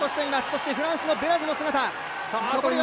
そしてフランスのベラジの姿。